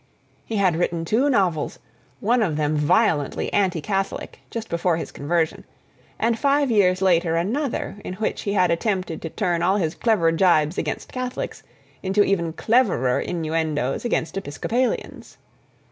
He had written two novels: one of them violently anti Catholic, just before his conversion, and five years later another, in which he had attempted to turn all his clever jibes against Catholics into even cleverer innuendoes against Episcopalians.